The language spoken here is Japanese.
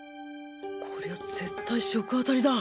こりゃあ絶対食あたりだ！